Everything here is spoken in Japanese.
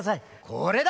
これだ！